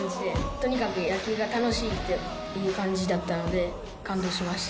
とにかく野球が楽しいっていう感じだったので感動しました。